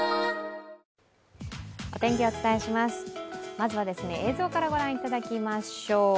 まずは映像から御覧いただきましょう。